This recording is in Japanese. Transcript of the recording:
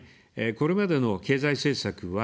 これまでの経済政策は、